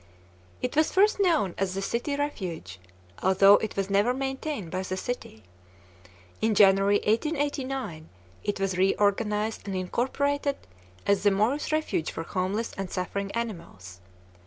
It was first known as the City Refuge, although it was never maintained by the city. In January, 1889, it was reorganized and incorporated as the "Morris Refuge for Homeless and Suffering Animals."